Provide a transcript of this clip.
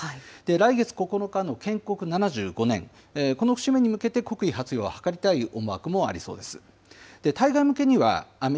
来月９日の建国７５年、この節目に向けて国威発揚を図りたい思惑もあるんです。